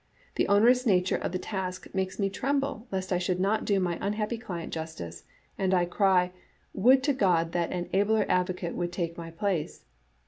The onerous nature of the task makes me tremble lest I should not do my unhappy client justice, and I cry, Would to God that an abler advocate would take my place.